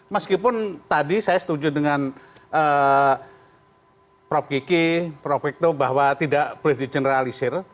meskipun tadi saya setuju dengan prof kiki prof victo bahwa tidak boleh di generalisir